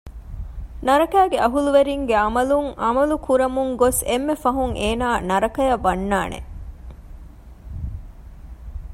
ނަރަކައިގެ އަހުލުވެރިންގެ ޢަމަލުން ޢަމަލު ކުރަމުން ގޮސް އެންމެ ފަހުން އޭނާ ނަރަކައަށް ވަންނާނެ